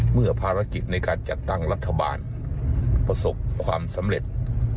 เมื่อภารกิจในการจัดตั้งรัฐบาลประสบความสำเร็จ